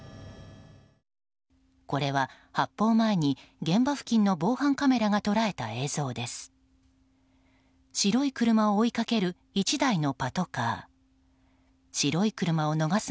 これは発砲前に現場付近の防犯カメラが捉えた映像です。